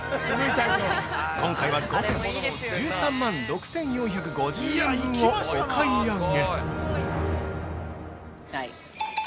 今回は５点、１３万６４５０円分をお買い上げ！